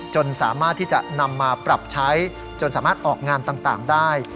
จนสามารถที่จะนำมาปรับใช้จนสามารถออกงานต่างได้